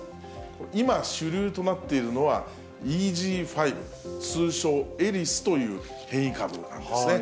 今、主流となっているのは、ＥＧ．５、通称、エリスという変異株なんですね。